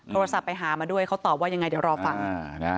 โทรศัพท์ไปหามาด้วยเขาตอบว่ายังไงเดี๋ยวรอฟัง